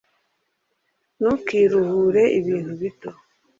ntukiruhure ibintu bito